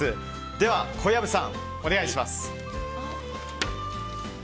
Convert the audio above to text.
では、小籔さんお願いします。